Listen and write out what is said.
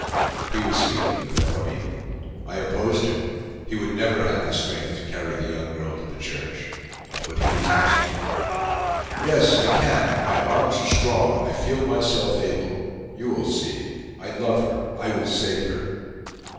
He was speaking of Veronique. I opposed him. He would never have the strength to carry the young girl to the church. But he was obstinate. "Yes, I can! My arms are strong. I feel myself able. You will see. I love her—I will save her!"